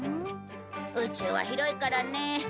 宇宙は広いからね。